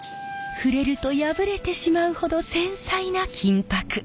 触れると破れてしまうほど繊細な金箔。